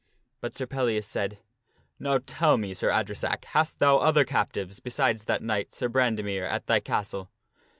But Sir Pellias said, " Now tell me, Sir Adresack, hast thou other cap tives beside that knight, Sir Brandemere, at thy castle?"